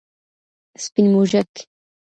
سپین موږک 🐁